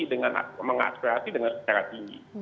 dengan mengaspirasi dengan secara tinggi